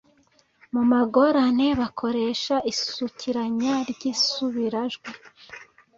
Mu magorane bakoresha isukiranya ry’insubirajwi.